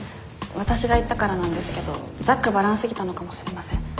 わたしが言ったからなんですけどざっくばらんすぎたのかもしれません。